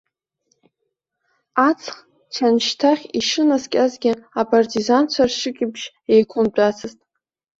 Аҵх чаншьҭахь ишынахысхьазгьы апартизанцәа ршыкьыбжьы еиқәымтәацызт.